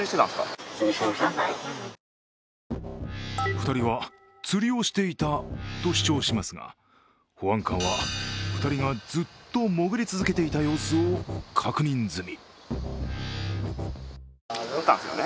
２人は釣りをしていたと主張しますが保安官は２人がずっと潜り続けていた様子を確認済み。